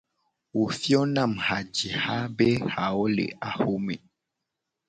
Wo fio na mu hajiha be hawo le axome.